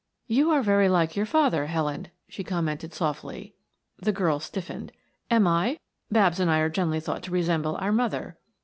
"You are very like your father, Helen," she commented softly. The girl stiffened. "Am I? Babs and I are generally thought to resemble our mother."